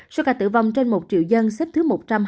số ca tử vong trên một triệu dân xếp thứ một trăm hai mươi